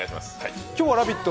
今日は「ラヴィット！」